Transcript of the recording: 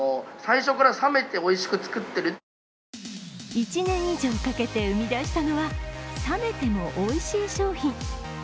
１年以上かけて生み出したのは冷めてもおいしい商品。